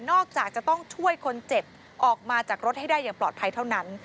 จากจะต้องช่วยคนเจ็บออกมาจากรถให้ได้อย่างปลอดภัยเท่านั้น